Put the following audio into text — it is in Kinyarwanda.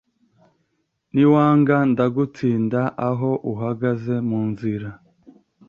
Niwanga ndagutsinda aho uhagaze munzira